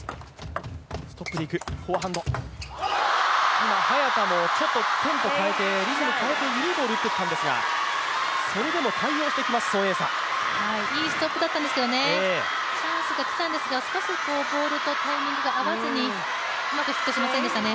今早田も、ちょっとテンポを変えてリズムを変えて、緩いボールを打っていったんですがそれでも対応してきます、孫エイ莎いいストップだったんですけど、チャンスが来たんですが少しボールとタイミングが合わずにうまくヒットしませんでしたね。